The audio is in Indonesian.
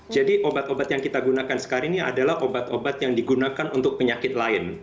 jadi obat obat yang kita gunakan sekarang ini adalah obat obat yang digunakan untuk penyakit lain